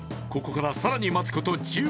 ここからさらに待つこと